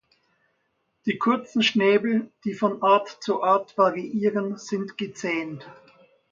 Die kurzen Schnäbel, die von Art zu Art variieren, sind gezähnt.